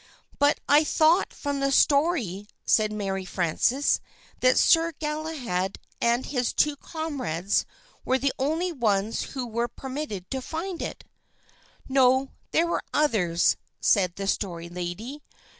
"But I thought from the story," said Mary Frances, "that Sir Galahad and his two comrades were the only ones who were permitted to find it." "No, there were others," said the Story Lady.